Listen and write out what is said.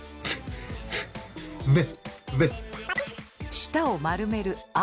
舌を丸めるｒ。